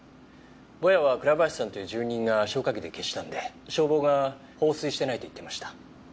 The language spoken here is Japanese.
ボヤは倉林さんという住人が消火器で消したんで消防が放水してないと言ってました。